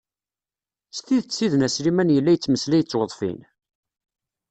S tidet sidna Sliman yella yettmeslay d tweḍfin?